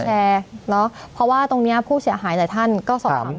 มาแชร์เนาะเพราะว่าตรงเนี้ยผู้เสียหายแต่ท่านก็สอบถาม